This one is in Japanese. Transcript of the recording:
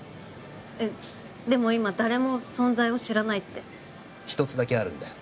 えっでも今誰も存在を知らないって一つだけあるんだよ